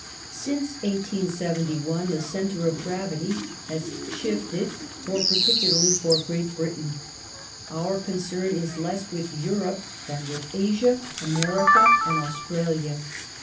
Since 1871 the centre of gravity has shifted, more particularly for Great Britain. Our concern is less with Europe than with Asia, America, and Australia.